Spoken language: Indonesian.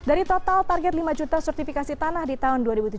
dari total target lima juta sertifikasi tanah di tahun dua ribu tujuh belas